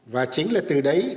và chính là từ đấy